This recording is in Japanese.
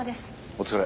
お疲れ。